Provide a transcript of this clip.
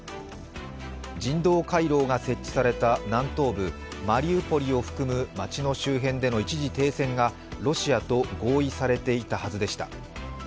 人道回廊が設置された南東部マリウポリを含む町の周辺での一時停戦がロシアと合意されていたはずでした。